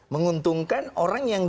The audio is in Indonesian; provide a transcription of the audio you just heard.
menguntungkan orang yang